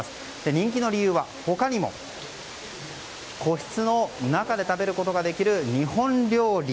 人気の理由は他にも。個室の中で食べることができる日本料理。